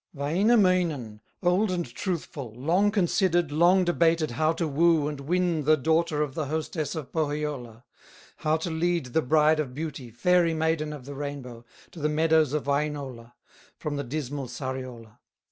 Wainamoinen, old and truthful, Long considered, long debated, How to woo and win the daughter Of the hostess of Pohyola, How to lead the Bride of Beauty, Fairy maiden of the rainbow, To the meadows of Wainola, From the dismal Sariola.